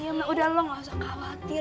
iya udah lo nggak usah khawatir